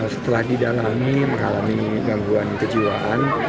setelah didalami mengalami gangguan kejiwaan